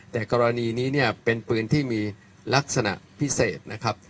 แต่กรณีนี้เนี่ยเป็นปืนที่มีลักษณะพิเศษนะครับ